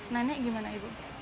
nenek gimana ibu